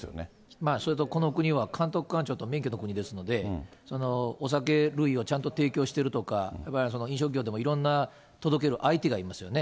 まあそれとこの国は監督官庁が免許の国ですので、お酒類をちゃんと提供してるとか、飲食業でもいろんな届ける相手がいますよね。